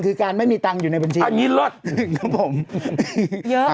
คือการไม่มีตังค์อยู่ในบัญชีครับครับผมอันนี้ลอด